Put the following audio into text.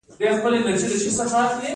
ایا زما زړه به ودریږي؟